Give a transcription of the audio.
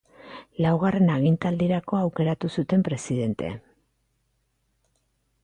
Laugarren agintaldirako aukeratu zuten presidente.